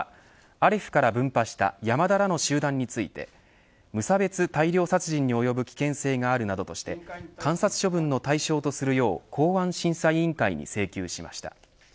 アレフから分派した山田らの集団について無差別大量殺人に及ぶ危険性があるなどとして観察処分の対象とするよう公安審査委員会に請求しました。